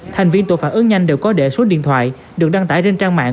thành viên tổ phản ứng nhanh đều có để số điện thoại được đăng tải trên trang mạng